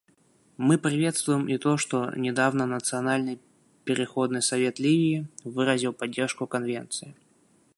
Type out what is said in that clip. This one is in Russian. Мы приветствуем и то, что недавно Национальный переходный совет Ливии выразил поддержку Конвенции.